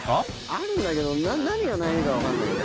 あるんだけど何が悩みかわかんないな。